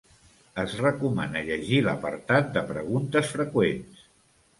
Es recomana llegir l'apartat de preguntes freqüents.